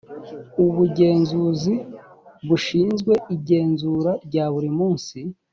ubugenzuzi bushinzwe igenzura rya buri munsi